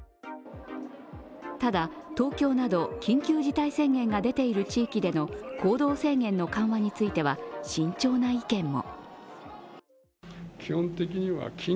ただ、東京など緊急事態宣言が出ている地域での行動制限の緩和については慎重な意見も。